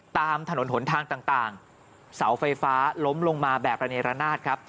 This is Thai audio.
ตามถนนหนทางต่างเสาไฟฟ้าล้มลงมาแบบระเนรนาศครับ